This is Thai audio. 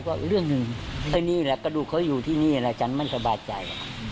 กระดูกเขาอยู่ที่นี่อ่ะซันต้องป้ามประวัติใจ